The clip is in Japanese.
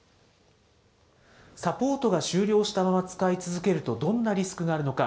サポートが終了したまま使い続けると、どんなリスクがあるのか。